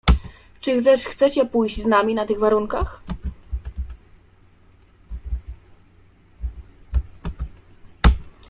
"Czy zechcecie pójść z nami na tych warunkach?"